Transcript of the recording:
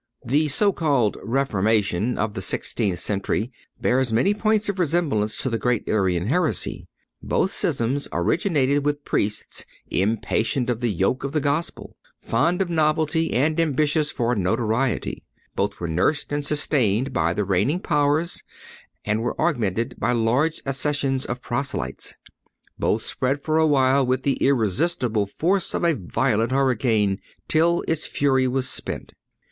The so called Reformation of the sixteenth century bears many points of resemblance to the great Arian heresy. Both schisms originated with Priests impatient of the yoke of the Gospel, fond of novelty and ambitious for notoriety. Both were nursed and sustained by the reigning Powers, and were augmented by large accessions of proselytes. Both spread for awhile with the irresistible force of a violent hurricane, till its fury was spent.